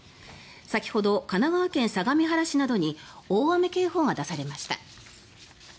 先ほど神奈川県相模原市などに大雨警報が出されました。